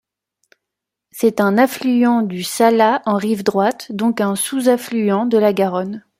C'est un affluent du Salat en rive droite, donc un sous-affluent de la Garonne.